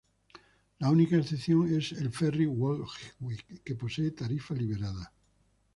La única excepción es el Ferry Woolwich, que posee tarifa liberada.